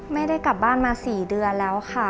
ไม่ได้กลับบ้านมา๔เดือนแล้วค่ะ